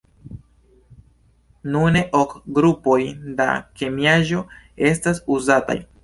Nune ok grupoj da kemiaĵo estas uzataj.